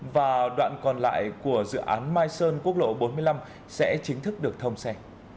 và đoạn còn lại của dự án mai sơn quốc lộ bốn mươi năm sẽ chính thức được thông xe